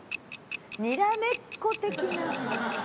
にらめっこ的な？